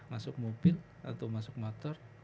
masuk mobil atau masuk motor